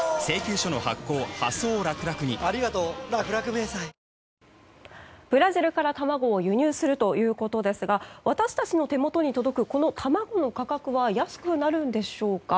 乳酸菌が一時的な胃の負担をやわらげるブラジルから卵を輸入するということですが私たちの手元に届くこの卵の価格は安くなるんでしょうか？